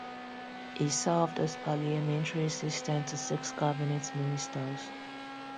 He served as parliamentary assistant to six cabinet ministers.